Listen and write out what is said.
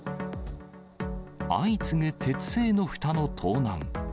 相次ぐ鉄製のふたの盗難。